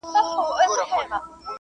داغونه د مینځونکي لخوا پاک سول.